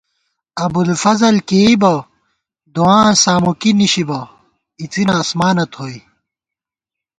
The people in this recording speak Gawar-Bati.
ابوالفضل کی کېئیبہ، دُعاں سامُکی نِشِبہ، اِڅِنہ آسمانہ تھوئی